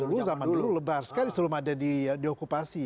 dulu zaman dulu lebar sekali sebelum ada diokupasi